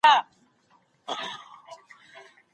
رسنۍ د روغتیا په برخه کي څه کولای سي؟